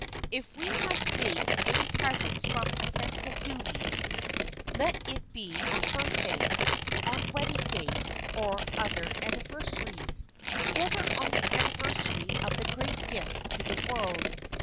If we must make any presents from a sense of duty, let it be on birthdays, on wedding days, on other anniversaries,—never on the anniversary of the Great Gift to the World.